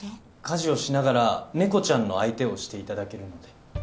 家事をしながら猫ちゃんの相手をしていただけるので。